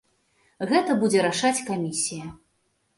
Гэта будзе рашаць камісія.